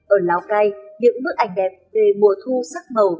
ở lào cai những bức ảnh đẹp về mùa thu sắc màu